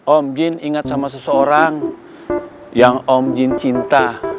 om jin ingat sama seseorang yang om jin cinta